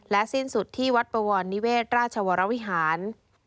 สิ้นสุดที่วัดปวรนิเวศราชวรวิหาร